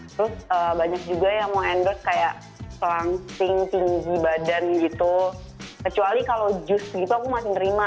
terus banyak juga yang mau endorse kayak pelangsing tinggi badan gitu kecuali kalau jus gitu aku masih nerima